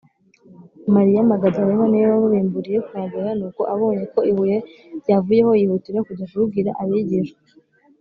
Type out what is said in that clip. mariya magadalena ni we wababimburiye kuhagera, nuko abonye ko ibuye ryavuyeho yihutira kujya kubibwira abigishwa